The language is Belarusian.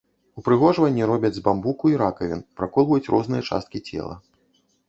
Упрыгожванні робяць з бамбуку і ракавін, праколваюць розныя часткі цела.